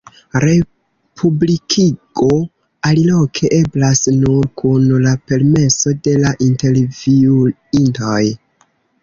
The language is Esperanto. Republikigo aliloke eblas nur kun la permeso de la intervjuintoj.